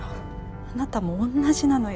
あなたも同じなのよ